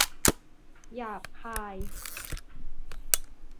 หยาบคาย